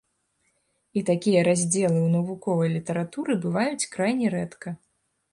І такія раздзелы ў навуковай літаратуры бываюць крайне рэдка.